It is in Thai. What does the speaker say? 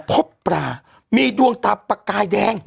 พบปลามีดวงตาประกายแดง